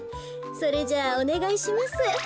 それじゃあおねがいします。